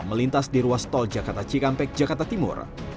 melintas di ruas tol jakarta cikampek jakarta timur